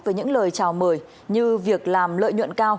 với những lời chào mời như việc làm lợi nhuận cao